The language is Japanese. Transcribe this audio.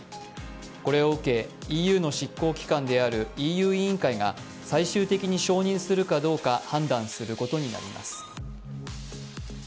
これを受け、ＥＵの執行機関であるＥＵ委員会が最終的に承認するかどうか判断することになります。